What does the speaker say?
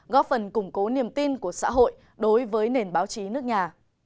góp phần củng cố niềm tin của xã hội đối với nền báo chí nước nhà